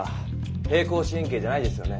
平行四辺形じゃないですよね。